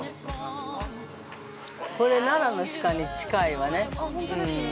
◆これ、奈良の鹿に近いわね。